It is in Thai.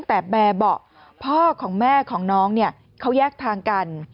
แต่แบบเบาะพ่อของแม่ของน้องเนี่ยเขาแยกทางกัน